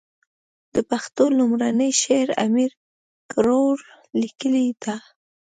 د پښتو لومړنی شعر امير کروړ ليکلی ده.